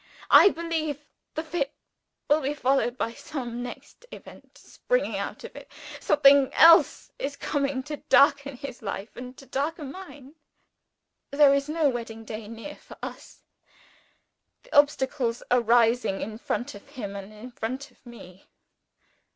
I believe the fit will be followed by some next event springing out of it. Something else is coming to darken his life and to darken mine. There is no wedding day near for us. The obstacles are rising in front of him and in front of me.